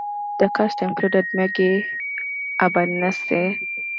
The cast included Meggie Albanesi.